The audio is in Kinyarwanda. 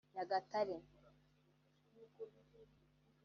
Nyagatare